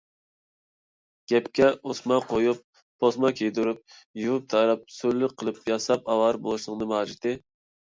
گەپكە ئوسما قويۇپ، پوسما كىيدۈرۈپ، يۇيۇپ - تاراپ، سۈرلۈك قىلىپ ياساپ ئاۋارە بولۇشنىڭ نېمە ھاجىتى؟